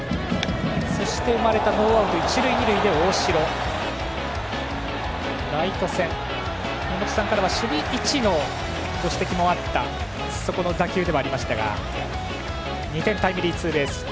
そして生まれたノーアウト一塁二塁で大城がライト線、宮本さんからは守備位置のご指摘もあったそこの打球ではありましたが２点タイムリーツーベース。